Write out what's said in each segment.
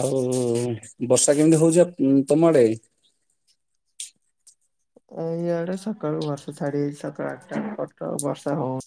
ଆଉ ବର୍ଷା କେମିତି ହଉଚି ଆପ୍ ତମ ଆଡେ? ଆମ ଇଆଡେ ସକାଳୁ ବର୍ଷା ଛାଡି ଯାଇଚି। ସକାଳ ଆଟା [unintelligible] ବର୍ଷା ହଉ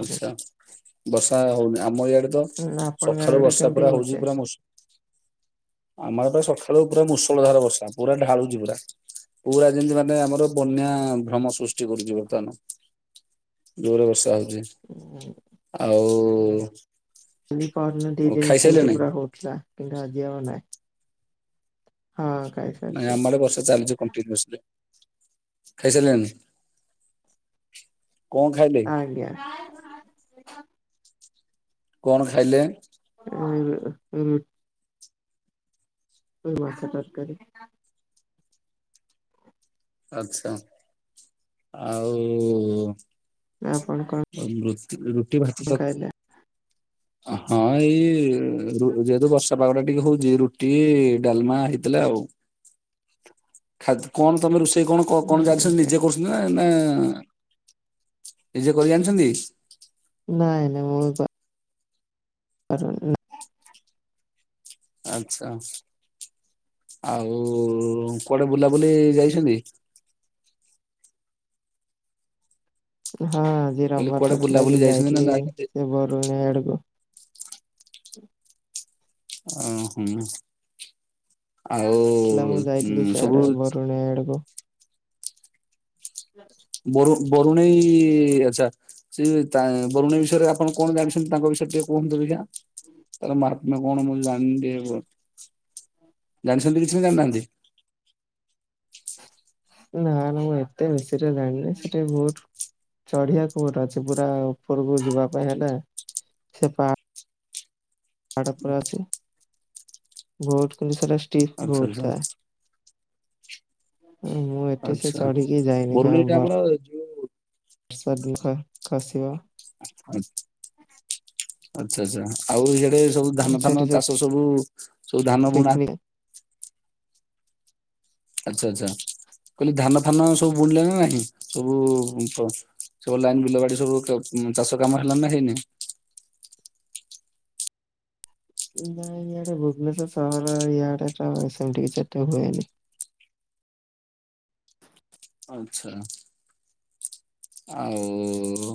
ଆଚ୍ଛା। ବର୍ଷା ହଉନି ଆମ ଇଆଡେ ତ ଆପଣଙ୍କ ସଖାଳୁ ଆଡେ ବର୍ଷା କେମିତି ପୁରା ହଉଛି ପୁରା ମୌସୁ ଆମ ଆଡେ ପା ସଖାଳୁ ପୁରା ମୂଷଳ ଧାର ବର୍ଷା। ପୁରା ଢାଳୁଛି ପୁରା। ପୁରା ଯେମିତି ମାନେ ଆମର ବନ୍ୟା ଭ୍ରମ ସୃଷ୍ଟି କରୁଛି ବର୍ତ୍ତମାନ। ଜୋର ବର୍ଷା ହଉଚି। ଆଉ ବୁଲି ପାରୁନୁ ଦି ଦିନି ସେମତି ଖାଇସାରିଲେଣି? ପୁରା ହଉଥିଲା। କିନ୍ତୁ ଆଜି ଆଉ ନାହିଁ। ହଁ। [unintelligible] ନାଇଁ ଆମର ବର୍ଷା ଚାଲିଚି କଣ୍ଟିନ୍ୟୁୟୁସ୍ଲି। ଖାଇସାରିଲେଣି? କଣ ଖାଇଲେ? ଆଜ୍ଞା। କଣ ଖାଇଲେ? [inaudible] ମୁଁ ମାଛ ତରକାରୀ। ଆଚ୍ଛା। ଆଉ ଆପଣ କଣ ରୁ ରୁଟି ଭାତ ତ ଖାଇଲେ? ହଁ ଏଇ ଯେହେତୁ ବର୍ ବର୍ଷା ପାଗ ଟା ଟିକେ ହଉଚି ରୁଟି, ଡାଲମା ହେଇଥିଲା ଆଉ। ଖା କଣ ତମେ ରୋଷେଇ କଣ କଣ ଯାଣିଚ ଆଜ୍ଞା ନିଜେ କରୁ ନା ନା। ନିଜେ କରି ଜାଣିଛନ୍ତି? ନାଇଁ ନାଇଁ ମୁଁ ପା [unintelligible] ଆଚ୍ଛା। ଆଉ କୁଆଡେ ବୁଲାବୁଲି ଯାଇଛନ୍ତି? ହଁ ଆଜି କହିଲି ରବିବାର କୁଆଡେ ଟା ଥିଲା ବୁଲାବୁଲି ଯେ ଯାଇଛନ୍ତି ନା ଯାଇଥିଲି ଯାଇନାହାନ୍ତି? ସେ ବରୁଣେଇ ଆଡୁକୁ। ଅ ହଁ। ଆଉ ସବୁ [unintelligible] ଆଡ଼କୁ ବରୁ ବରୁଣେଇ ଆଚ୍ଛା ସେ ତା ବରୁଣେଇ ବିଷୟରେ ଆପଣ କଣ ଜାଣିଛନ୍ତି ତାଙ୍କ ବିଷୟ ଟିକେ କୁହନ୍ତୁ [unintelligible] ତାହାର ମାହାତ୍ମ କଣ ମୁଁ ଜାଣିନି ଟିକେ କୁହନ୍ତୁ। ଜାଣିଛନ୍ତି କିଛି ନା ଜାଣିନାହାନ୍ତି? ନା ନା ମୁଁ ଏତେ ବେଶୀ ରେ ଜାଣିନି। ସେଟା ବି ବହୁତ୍ ଚଢିବା କୁ ପୁରା ଅଛି। ପୁରା ଉପରକୁ ଯିବା ପାଇଁ ହେଲେ, ସେ ପା ପାହାଡ ଉପରେ ଅଛି। [unintelligible] ଷ୍ଟିପ ଆଚ୍ଛା ବହୁତ୍ ଆଚ୍ଛା ଥାଏ। ମୁଁ ଏଠି ସେ ଆଚ୍ଛା। ଚଢିକି ଯାଇନି। କାରଣ ବର୍ [unintelligible] [unintelligible] ଖସିବ ଆଚ୍ଛା ଆଚ୍ଛା। ଆଉ ଇଆଡେ ସବୁ ଧାନ ଫାନ ଚାଷ ସବୁ, ସବୁ ଧାନ ବୁଣା ପିକନିକ ଆଚ୍ଛା ଆଚ୍ଛା। କହିଲି ଧାନ ଫାନ ସବୁ ବୁଣିଲେଣି ନା ନାହିଁ? ସବୁ, ସବୁ ଲାଇନ ବିଲ ବାଡି ସବୁ ଚାଷ କାମ ହେଲାଣି ନା ହେଇନି? ନାଇଁ ଇଆଡେ ଭୁବନେଶ୍ୱର ସହର ଇଆଡେ ତ ସେମତି କିଛି ଏତେ ହୁଏନି। ଆଛା। ଆଉ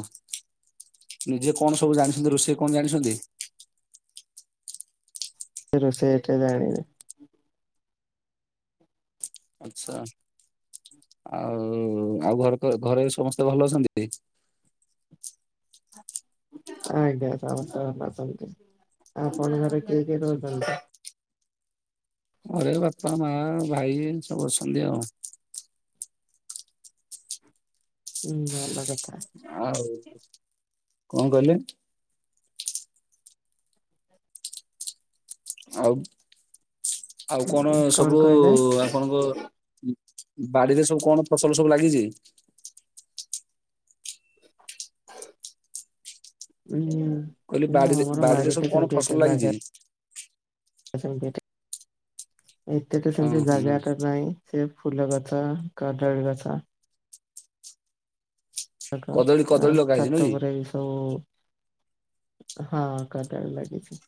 ନିଜେ କଣ ସବୁ ଜାଣିଛନ୍ତି ରୋଷେଇ କଣ ଜାଣିଛନ୍ତି? ରୋଷେଇ ଏତେ ଜାଣିନି। ଆଚ୍ଛା। ଆଉ ଆଉ ଘର ଘରେ ସମସ୍ତେ ଭଲ ଅଛନ୍ତି? ଆଜ୍ଞା ସମସ୍ତେ ଭଲ ଅଛନ୍ତି। ଆପଣ ଙ୍କ ଘରେ କିଏ କିଏ ରହୁଛନ୍ତି? ଘରେ ବାପା, ମା, ଭାଇ ସବୁ ଅଛନ୍ତି ଆଉ। ହୁଁ ଭଲ କଥା। ଆହୁ କଣ କଲେ ଆଉ ଆଉ କଣ ଉଁ ସବୁ କହିଲେ ଆପଣଙ୍କ ବାଡିରେ ସବୁ କଣ ଫସଲ ସବୁ ଲାଗିଛି? ହୁ କହିଲି ହଁ ବାଡିରେ ଆମର ବାଡିରେ ବାଡି ସବୁ ଟା କଣ ସେମତି ଫସଲ ଏତେ ଲାଗିଛି? ଜାଗା ସେମିତି ଗୋଟେ ଏତେ ତ ଅ ସେମିତି ହୁଁ ଜାଗାଟା ନାଇଁ ସେ ଫୁଲ ଗଛ କଦଳି ଗଛ କା କଦଳୀ ଆଉ କଦଳୀ ଲଗା ହେଇଛି ନୁହେଁ ଛାତ କି? ଉପରେ ସବୁ ହଁ କଦଳି ଲାଗିଛି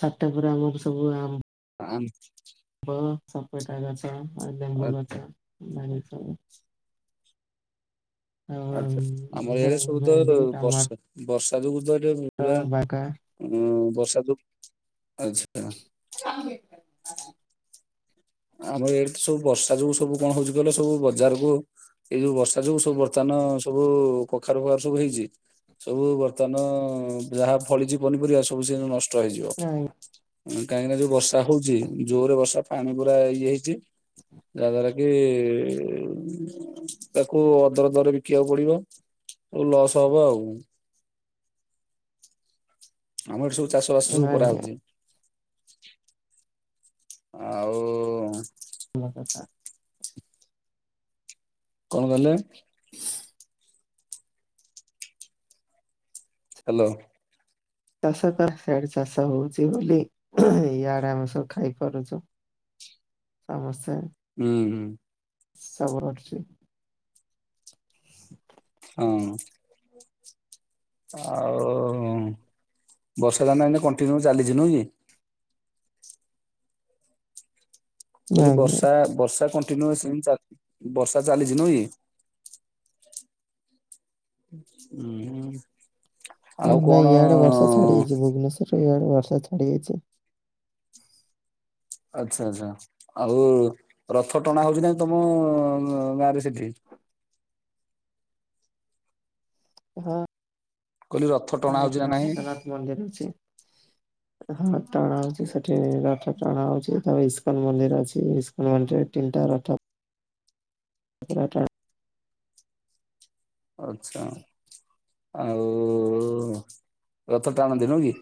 ଛାତ ଉପରେ ଆମର ସବୁ ଆ ଆମ୍ ଫ ସେପଟା ଗଛ ଆଉ ଆ ଲେମ୍ବୁ ଗଛ ଲାଗିଛି। ଆଉ ଆ୍ଛା ଆମର ଭେ ଏଇଆଡେ ସବୁ ତ ଭେଣ୍ଡି ଟମାଟୋ ବର୍ଷା ବର୍ଷା ଯୋଗୁ ତ ଏ ପୁରା। ବାଗା ଉଁ ବର୍ଷା ଦ ଆଚ୍ଛା। [unintelligible] ଆମର ଏଇଡି ତ ସବୁ ବର୍ଷା ଯୋଉ ସବୁ କଣ ହଉଛି ଗଲେ ସବୁ ବଜାର କୁ ଏଇ ଯୋଉ ବର୍ଷା ଯୋଗୁ ସବୁ ବର୍ତ୍ତମାନ ଅ ସବୁ କଖାରୁ ଫଖାରୁ ସବୁ ହେଇଛି। ସବୁ ବର୍ତ୍ତମାନ ଯାହା ଫଳିଛି ପନିପରିବା ସବୁ ସେ ନଷ୍ ଷ୍ଟ ହେଇଯିବ କାହିଁକିନା ଯୋଉ ବର୍ଷା ହଉଛି ଜୋର ରେ ବର୍ଷା ପାଣି ପୁରା ଇଏ ହେଇଛି। ଯାଦାର କି ତାକୁ ଅଦର ଦର ବିକିବାକୁ ପଡିବ। ଲସ୍ ହବ ଆଉ। ଆମର ସବୁ ଚାଷ ବାସ ସବୁ ଆଜ୍ଞା କରାହଉଛି। ଆଉ। ଲଗାତାର କଣ କହିଁଲେ ହ୍ୟାଲୋ। ଚାଷ କ ସେଆଡେ ଚାଷ ହଉଛି ବୋଲି ଇଆଡେ ଆମେ ସବୁ ଖାଇପାରୁଛୁ। ସମସ୍ତେ ହୁଁ ହୁଁ। ସବ ରଛି। ହଁ। ଆଉ ବର୍ଷା ଜାନା ଏଇନା କଣ୍ଟିନ୍ୟୁ ଚାଲିଛି ନୁହଁ କି। ଏଠି ଆଜ୍ଞା ବର୍ଷା ବର୍ଷା କଣ୍ଟିନ୍ୟୁ ସି ଚା ବର୍ଷା ଚାଲିଛି ନୁଏଇ ଉ ହଁ ନାଇଁ ଇଆଡେ ବର୍ଷା ଛାଡି ଯାଇଛି ଭୁବନେଶ୍ୱରରେ ୟାଡେ ବର୍ଷା ଛାଡି ଯାଇଛି। ଆଚ୍ଛା ଆଚଛା ଆଉ ରଥ ଟଣା ହଉଛି ନାଇଁ ତମ ଗାଁ ରେ ସେଠି ହଁ କହିଲି ରଥ ଟଣା ହ ହଉଛି ନା ନାହିଁ? ଏଜଗନ୍ନାଥ ମନ୍ଦିର ଅଛି। [inaudible] ହଁ ଟାଣା ହଉଛି ସେଠି ରଥ ଟାଣା ହଉଛି ତା ଇସ୍କନ ମନ୍ଦିର ଅଛି ଇସ୍କନ ମନ୍ଦିରରେ ତିନିଟା ରଥ। ପୁରା ଟଣା ଆଛା, ଆଉ ରଥ ଟାଣନ୍ତି ନୁହଁ କି?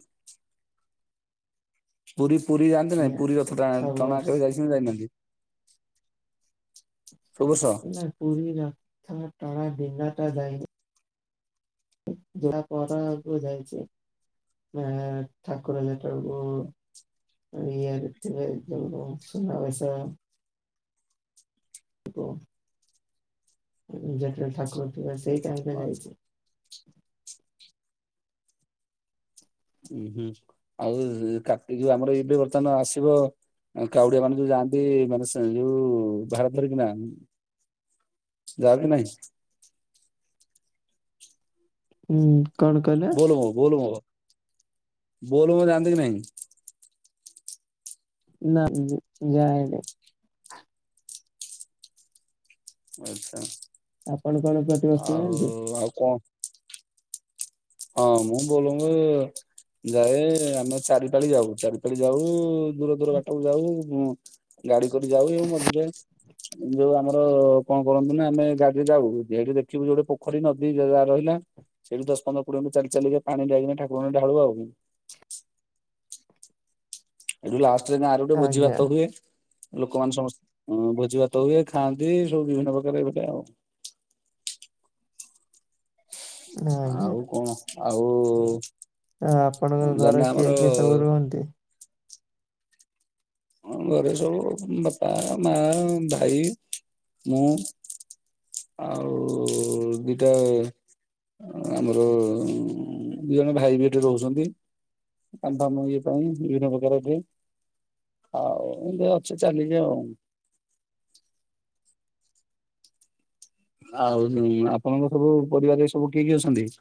ପୁରୀ ପୁରୀ ଯାଆନ୍ତି ନାଇଁ ପୁରୀ ରଥ ଟଣା ସବୁ ଟଣା ବର୍ଷ କେବେ ଯାଇଚ ଯାଇନାହାନ୍ତି? ସବୁ ବର୍ଷ? ନାଇଁ ପୁରୀ ରଥ ଟଣା ଦିନ ଟା ଯାଇନି। ଯୋଡ଼ା ପର ଆକୁ ଯାଇଛି ଆ ଠାକୁର ଯେତେବେଳକୁ ଇଏରେ ଥିବେ, ଶୁନ ସୁନାବେସ। ଥିବ ଯେତବେଳେ ଠାକୁର ଥିବ ସେଇ ଟାଇମ ରେ ଆଚ୍ଛା, ଯାଇଛି। ଉୁଁ ହୁଁ ଆଉ କାର୍ତିଯୋଉ ଆମର ଏବେ ବର୍ତ୍ତମାନ ଆସିବ କାଉଡିଆ ମାନେ ଯୋଉ ଯାଆନ୍ତି ମାନେ ସେ ଯୋଉ ଭାର ଧରିକିନା ଜାଓ କି ନାହିଁ? ହୁଁ। କଣ କହିଲ? ବୋଲ୍ ବମ୍, ବୋଲ୍ ବମ୍। ବୋଲ୍ ବମ୍ ଜାନ୍ତି କି ନାହିଁ? ନା ନା ଯାଏନି। ଆଚ୍ଛା। ଆପଣ କଣ କର ଆଉ ଆଉ କଣ? ହଁ ମୁ ବୋଲ୍ବମ୍ ଯାଏ ଆମେ ଚାରିପାଳି ଯାଉ। ଚାରିପାଳି ଯାଉ ଦୂର ଦୂର ବାଟକୁ ଯାଉ। ହୁଁ ଗାଡି କରି ଯାଉ ଆଉ ମଝିରେ। ଏ ଯୋଉ ଆମର କଣ କରନ୍ତି ନା ଆମେ ଗାଡିରେ ଯାଉ ଯେଉଠି ଦେଖିବୁ ପୋଖରୀ ନଦୀ ଯେ ଯାହା ରହିଲା ସେଠୁ ଦଶ ପନ୍ଦର କୋଡ଼ିଏ ମିନିଟ୍ ଚାଲି ଚାଲିକି ପାଣି ଯାଇଁକି ଠାକୁରଙ୍କୁ ଢାଳୁ ଆଉ। ଲାଷ୍ଟ ରେ ଗାଁ ରେ ଭୋଜି ଆଜ୍ଞା ଭାତ ହୁଏ। ଲୋକମାନେ ସମସ୍ତେ ଭୋଜି ଭାତ ହୁଏ, ଖାଆନ୍ତି ସବୁ ବିଭିନ୍ନ ପ୍ରକାର ଏଇ ଭାଲିଆ ଆଉ। ଆଜ୍ଞା ଆଉ କଣ ଆଉ ଆ-ଆପଣଙ୍କ ଘରେ ଜାନା ଆମର କିଏ କିଏ ସବୁ ରୁହନ୍ତି? ଘରେ ସବୁ ବାପା, ମା, ଭାଇ, ମୁଁ। ଆଉ ଦିଟା ଆମର ଦି ଜଣ ଭାଇ ବି ଏଠି ରହୁଛନ୍ତି। କାମ ଫାମ ଇଏ ପାଇଁ ବିଭିନ୍ନ ପ୍ରକାର ଯୋଉ ଆଉ ମୁ ଅଛି ଚାଲିଲି ଆଉ। ଆଉ ଆପଣଙ୍କ ସବୁ ପରିବାରରେ ସବୁ କିଏ କିଏ ଅଛନ୍ତି?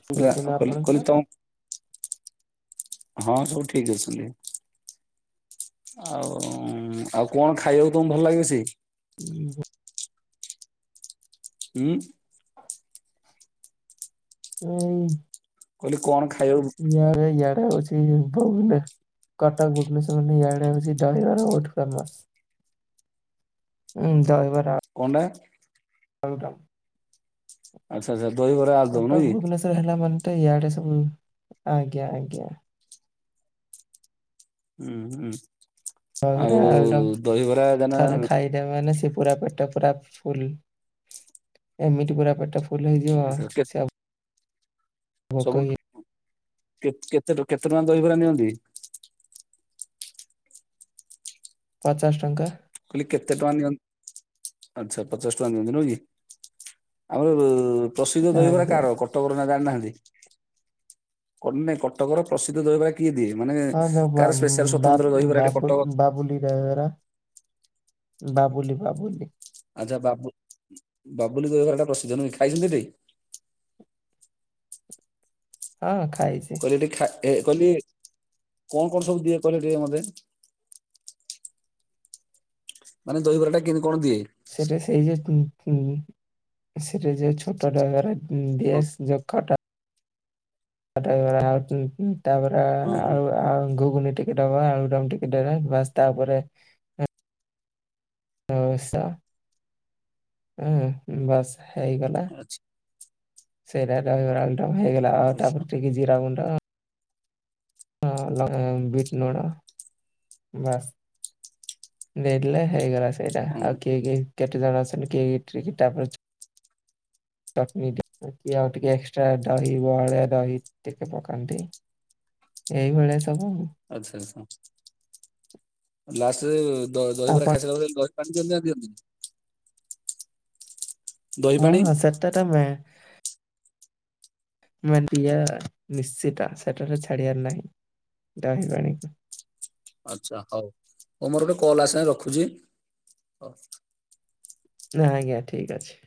ଠିକ ଅଛନ୍ତି ଆପଣଙ୍କର? କହିଲି ତମ [unintelligible] ହଁ ସବୁ ଠିକ୍ ଅଛନ୍ତି। ଆଉ, ଆଉ କଣ ଖାଇବାକୁ ତମକୁ ଭଲ ଲାଗେ ବେଶି? ହୁଁ। ହୁଁ। ଏଇ କହିଲି କଣ ଖାଇଆକୁ ୟାଡେ ୟାଡେ ଅଛି ଭଉଣୀ କଟକ, ଭୁବନେଶ୍ୱର ନେଇ ଏଆଡେ ସେ ଦହିବରା ବୋହୁତ ଫେମସ। ହୁଁ ଦହି ବରା କଣ ଟା? କରଦମ୍ [unintelligible] ଆଛା ଆଛା ଦହିବ କଟକ, ଭୁବନେଶ୍ଵର ହେଲା ମାନେ ତ ଇଆଡେ ସବୁ। ଆଜ୍ଞା ଆଜ୍ଞା। ହୁଁ, ହୁଁ। ଦହିବରା ଆଉ ଦହିବରା ଜାନ ଏୟା ମାନେ ସେ ପୁରା ପେଟ ପୁରା ଫୁଲ। ଏମିତି ପୁରା ପେଟ ଫୁଲ ହେଇଯିବ କେ ସେ ଆ ସବୁ ଟି କେତେ କେତେ ଟଙ୍କା ଦହିବରା ନିଅନ୍ତି? ପଚାଶ ଟଙ୍କା। କହିଲି କେତେ ଟଙ୍କା ନିଅନ୍ତି? ଆଚ୍ଛା ପଚାଶ ଟଙ୍କା ନିଅନ୍ତି ନୁ କି? ଆମର ପ୍ରସିଦ୍ଧ ଦହିବରା ଆଜ୍ଞା। କାହାର? କ କଟକର ନା ଜାଣିନାହାନ୍ତି? କୋଉଠି ନାହିଁ କଟକର ପ୍ରସିଦ୍ଧ ଦହିବ ହ ଯ ଦହିବରାଟେ କଟକ ବା-ବା-ବାବୁ- ବାବୁଲି ଦହି ବରା। ବାବୁଲି ବାବୁଲି। ଆଚ୍ଛା ବାବୁ-ବାବୁଲି ଦହିବରା ଟା ପ୍ରସିଦ୍ଧ ନୁହେଁ ଖାଇଛନ୍ତି ସେଠି? ହଁ ଖାଇଛି। ସେଠି ଖା-ଏ କହିଲି, କଣ କଣ ସବୁ ଦିଏ କହିଲେ ଟିକେ ମତେ? ମାନେ ଦହିବରାଟା କେମତି କଣ ଦିଏ? ସେଇଟା ସେଇ ଯୋଉ ଉଁ ଉଁ ସେଇଟା ଯୋଉ ଛୋଟ ଡାଗାରେ ହଁ ଦିଏସ ଜୋକଟା [unintelligible] ତା ଉଁ ଉଁ ତାପରେ ହଁ ହଁ ଆ-ଆଉ ଆଉ ଘୁଗୁନିଟି ସେଇଟା ବା ଆଳୁଦମ୍ ଟିକେ ଦେବେ, ବାସ୍ ତାପରେ ବ୍ୟବସ୍ଥା ହୁଁ ବାସ୍ ହେଇଗଲା ଆଚ୍ଛା ସେଇରା ଦହିବରା ଆଳୁଡ଼ମ୍ ହେଇଗଲା। ଆଉ ଆଚ୍ଛା ତାପରେ ଟିକେ ଜିରାଗୁଣ୍ଡ ହଁ ଲଙ୍କା ବିଟ ନୁଣ ବାସ୍ ନେଲେ ହେଇଗଲା ସେଇଟା, ହଁ। ଆଉ କିଏ କେହି କେତେ ଜଣ ଅଛନ୍ତି କିଏ ଇଠିକି ତାପରେ ଚଟନି ଟିକେ ଆଉ ଟିକେ ଏକ୍ସଟ୍ରା ଦହି ବହଳିଆ ଦହି ଟିକେ ପକାନ୍ତି ଏଇଭଳିଆ ସବୁ ଆଉ। ଆଚ୍ଛା ଆଚ୍ଛା। ଲାଷ୍ଟରେ ଦ-ଦହିବରା ଆପଣ ଖାଇସାରିଲା ପରେ ଦହି [unintelligible] ଦିଅନ୍ତିନି? ଦହି ହଁ ପାଣି ହଁ ସେଟା ତ ମେ ମେନ୍ ପିଆ ନିଶ୍ଚିିତ। ସେଟାରେ ଛାଡିଆର ନାହିଁ। ଦହି ପାଣି। ଆଚ୍ଛା ହଉ। ହଉ ମୋର ଗୋଟେ କଲ ଆସିଲାଣି ରଖୁଛି? ହଉ। ନାଁ ଆଜ୍ଞା ଠିକ ଅଛି।